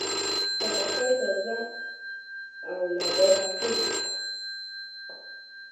خټکی تازه او له باغه ښه وي.